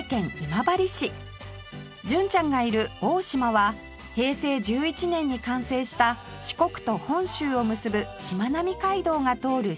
純ちゃんがいる大島は平成１１年に完成した四国と本州を結ぶしまなみ海道が通る島の一つ